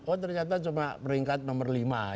oh ternyata cuma peringkat nomor lima